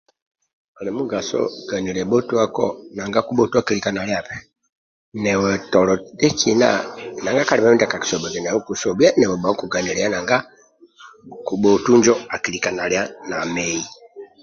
Ali mugaso ganyilya bhotwako nanga kubhotu akilika nalyabe nanga tolo ndyekina nanga kalibhe mindyakakisobhiyaga nawe kusobhiya nawe bakukuganyilya nanga kubhotu njo akilika nalya namei